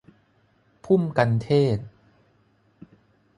พุ่มกัณฑ์เทศน์